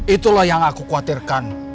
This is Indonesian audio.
itulah yang aku khawatirkan